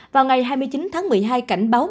vào ngày hai mươi chín tháng một mươi hai cảnh báo